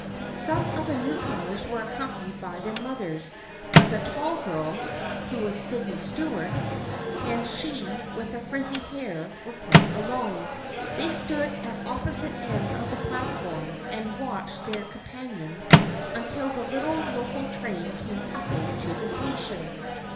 Some of the newcomers were accompanied by their mothers, but the tall girl ( who was Sydney Stuart ) and she with the frizzy hair were quite alone. They stood at opposite ends of the platform and watched their companions until the little local train came puffing to the station.